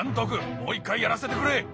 もう一回やらせてくれ！